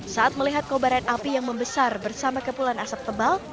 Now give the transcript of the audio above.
saat melihat kobaran api yang membesar bersama kepulan asap tebal